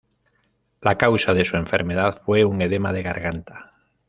La causa de su enfermedad fue un edema de garganta.